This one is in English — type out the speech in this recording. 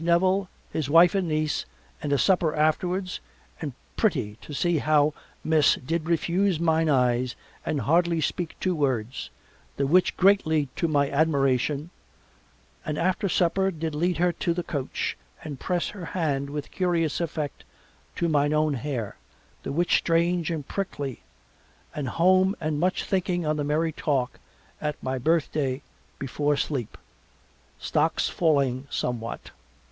Nevil, his wife and niece and a supper afterwards and pretty to see how miss did refuse mine eyes and hardly speak two words, the which greatly to my admiration and after supper did lead her to the coach and press her hand with curious effect to mine own hair, the which strange and prickly and home and much thinking on the merry talk at my birthday before sleep. Stocks falling somewhat.